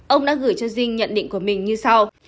ông đã gửi cho dinh nhận định của mình như sau